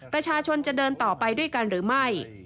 ประชาชนจะเดินต่อไปด้วยกันหรือไม่